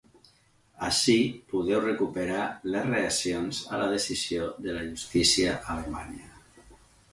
Ací podeu recuperar les reaccions a la decisió de la justícia alemanya.